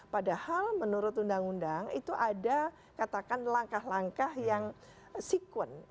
padahal menurut undang undang itu ada katakan langkah langkah yang sekuen